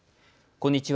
こんにちは。